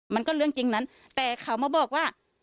มันก็เรื่องจริงนั้นแต่เขามาบอกว่า